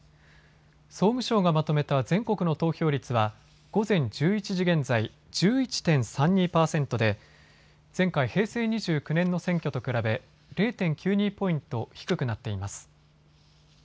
総務省がまとめた全国の投票率は午前１１時現在、１１．３２％で前回、平成２９年の選挙と比べ０．９２ポイント低くなっています。